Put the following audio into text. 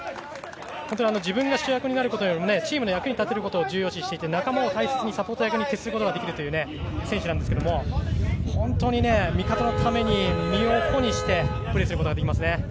自分が主役になることよりチームのためになることを重要視していて仲間を大切にしてサポート役に徹することができる選手ですが本当に味方のために身を粉にしてプレーすることができますね。